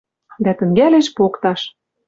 Дӓ тӹнгӓлеш покташ